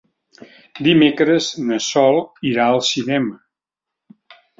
Dimecres na Sol irà al cinema.